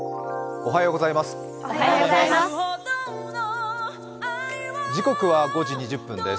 おはようございます。